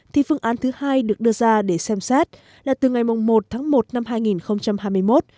thì phương án thứ hai được đưa ra để xem xét là từ ngày một tháng một năm hai nghìn hai mươi một